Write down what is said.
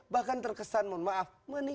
bahkan terkesan mohon maaf